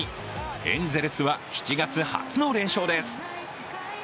エンゼルスは７月初の連勝です。